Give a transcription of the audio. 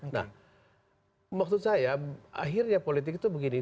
nah maksud saya akhirnya politik itu begini